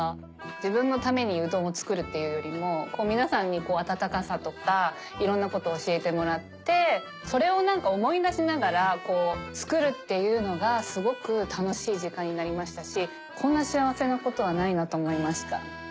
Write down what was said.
自分のためにうどんを作るっていうよりも皆さんに温かさとかいろんなことを教えてもらってそれを思い出しながら作るっていうのがすごく楽しい時間になりましたしこんな幸せなことはないなと思いました。